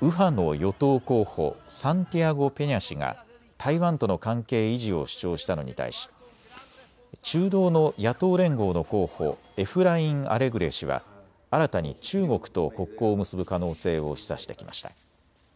右派の与党候補、サンティアゴ・ペニャ氏が台湾との関係維持を主張したのに対し中道の野党連合の候補、エフライン・アレグレ氏は新たに中国と国交を結ぶ可能性を示唆してきました。